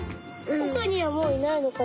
おくにはもういないのかな？